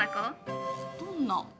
どんな。